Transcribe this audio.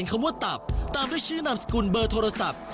กติก่ายคืออะไร